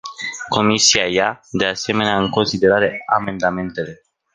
Comisia ia, de asemenea, în considerare amendamentele.